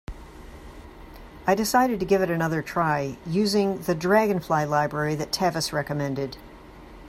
I decided to give it another try, using the Dragonfly library that Tavis recommended.